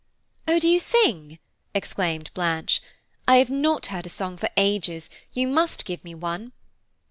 "Oh, do you sing?" exclaimed Blanche, "I have not heard a song for ages; you must give me one."